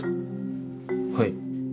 はい。